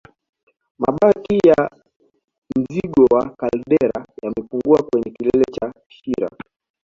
Mabaki ya mzingo wa kaldera yamepungua kwenye kilele cha shira